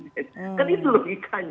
kan itu logikanya